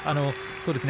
そうですね